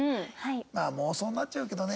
まあ妄想になっちゃうけどね。